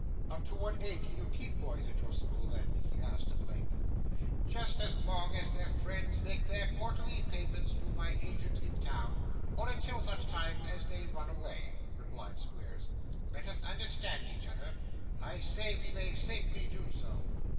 'Up to what age do you keep boys at your school then?' he asked at length. 'Just as long as their friends make the quarterly payments to my agent in town, or until such time as they run away,' replied Squeers. 'Let us understand each other; I see we may safely do so.